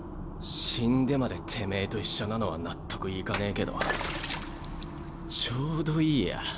死んでまでてめぇと一緒なのは納得いかねぇけどちょうどいいや。